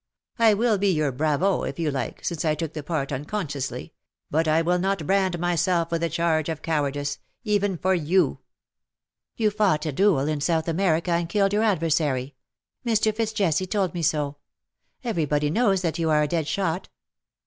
I v^ill be your bravo, if you like, since I took the part unconsciously — but I will not brand myself with the charge of cowardice — even for you. ^' You fought a duel in South America, and killed your adversary. Mr. FitzJesse told me so. Every body knows that you are a dead shot.